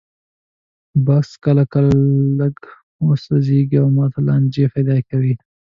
بکس کله کله لږ وپړسېږي او ماته لانجې پیدا کوي.